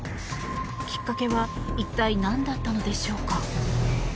きっかけは一体、何だったのでしょうか。